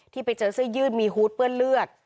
ไปเจอเสื้อยืดมีฮูตเปื้อนเลือด